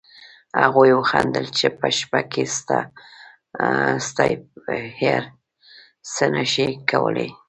هغوی وخندل چې په شپه کې سنایپر څه نه شي کولی